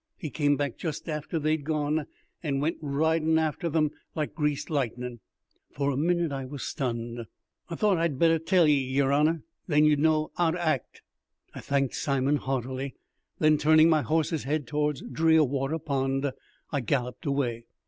He came back just after they'd gone, and went ridin' efter 'em like greased lightnin'." For a minute I was stunned. "I thought I'd better tell 'ee, yer honour, and then you'd know 'ow to act." I thanked Simon heartily; then, turning my horse's head towards Drearwater Pond, I galloped away.